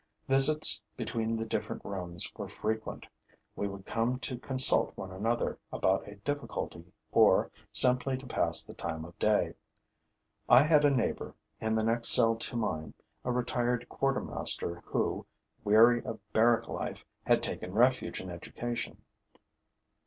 Visits between the different rooms were frequent. We would come to consult one another about a difficulty, or simply to pass the time of day. I had as a neighbor, in the next cell to mine, a retired quartermaster who, weary of barrack life, had taken refuge in education.